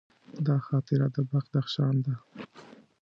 دا خاطره د بدخشان ده.